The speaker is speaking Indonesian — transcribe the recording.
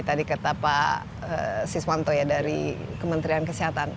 tadi kata pak siswanto ya dari kementerian kesehatan